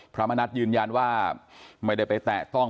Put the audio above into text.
พระมณัฐยืนยันว่าไม่ได้ไปแตะต้อง